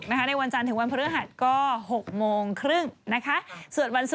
นี่แผ่นตัวนี้ต้องพูดใหญ่